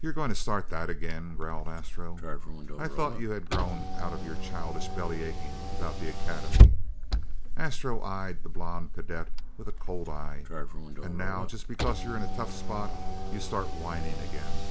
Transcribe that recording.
"You going to start that again!" growled Astro. "I thought you had grown out of your childish bellyaching about the Academy." Astro eyed the blond cadet with a cold eye. "And now, just because you're in a tough spot, you start whining again!"